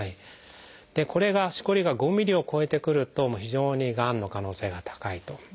これがしこりが５ｍｍを超えてくると非常にがんの可能性が高いと。